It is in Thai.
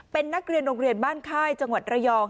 เป็นนักเรียนโรงเรียนบ้านค่ายจังหวัดระยอง